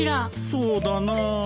そうだな。